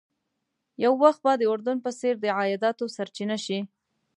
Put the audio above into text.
یو وخت به د اردن په څېر د عایداتو سرچینه شي.